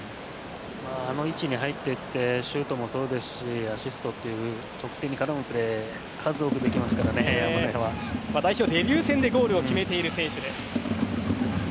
あの位置に入っていってシュートもそうですしアシストという得点に絡むプレーも代表デビュー戦でゴールを決めている選手です。